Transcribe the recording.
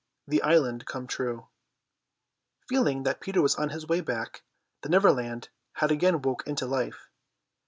THE ISLAND COME TRUE Feeling that Peter was on his way back, the Neverland had again woke into life.